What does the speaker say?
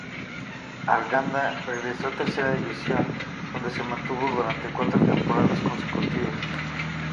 Arganda regresó a Tercera División, donde se mantuvo durante cuatro temporadas consecutivas.